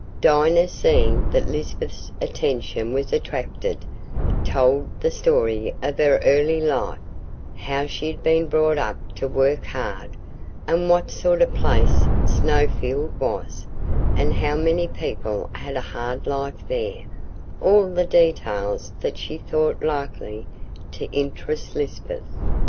Dinah, seeing that Lisbeth's attention was attracted, told her the story of her early life—how she had been brought up to work hard, and what sort of place Snowfield was, and how many people had a hard life there—all the details that she thought likely to interest Lisbeth.